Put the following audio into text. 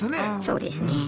そうですね。